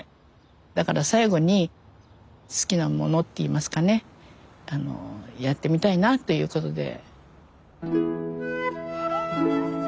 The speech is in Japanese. だから最後に好きなものって言いますかねやってみたいなということで。